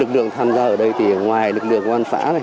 lực lượng tham gia ở đây ngoài lực lượng công an phá